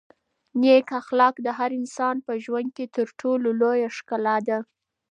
نېک اخلاق د هر انسان په ژوند کې تر ټولو لویه ښکلا ده.